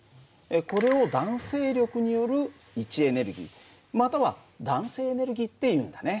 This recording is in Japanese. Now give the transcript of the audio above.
これを弾性力による位置エネルギーまたは弾性エネルギーっていうんだね。